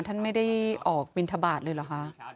ท่านไม่ได้ออกบินทบาทเลยเหรอคะ